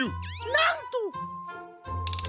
なんと！